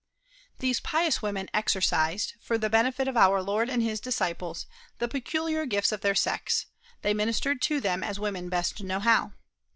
These pious women exercised, for the benefit of our Lord and his disciples, the peculiar gifts of their sex they ministered to them as women best know how.